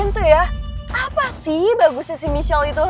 student nuks ini belom rester vist batin selama setahunan